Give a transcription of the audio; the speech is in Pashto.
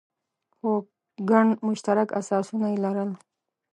خو ګڼ مشترک اساسونه یې لرل.